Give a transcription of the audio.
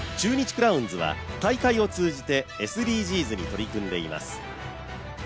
クラウンズは大会を通じてＳＤＧｓに取り組んでいます。